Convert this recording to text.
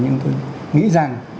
nhưng tôi nghĩ rằng